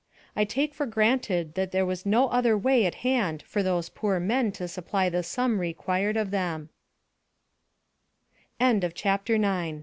I take for granted that there was no other way at hand for those poor men to supply the sum required of them. X. MIRACLES OF DESTRUCTION.